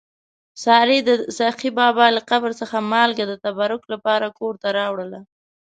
سارې د سخي بابا له قبر څخه مالګه د تبرک لپاره کور ته راوړله.